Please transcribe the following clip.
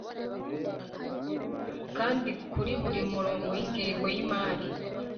kandi kuri buri murongo w ingengo y imari